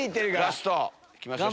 ラストいきましょう！